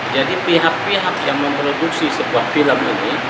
jadi pihak pihak yang memproduksi sebuah film ini